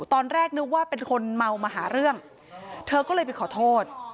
ตอนแรกนึกว่าเป็นคนเมามาหาเรื่องเธอก็เลยไปขอโทษ